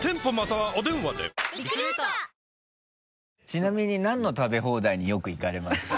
ちなみになんの食べ放題によく行かれますか？